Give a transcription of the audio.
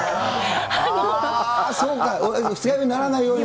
そうか、二日酔いにならないように。